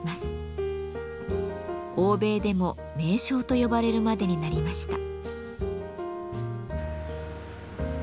欧米でも名匠と呼ばれるまでになりました。